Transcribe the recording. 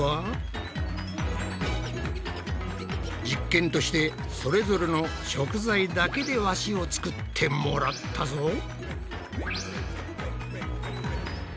実験としてそれぞれの食材だけで和紙を作ってもらったぞ。